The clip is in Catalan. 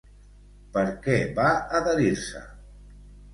Per què va adherir-se?